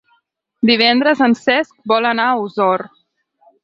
Divendres en Cesc vol anar a Osor.